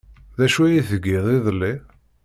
D acu ay tgiḍ iḍelli?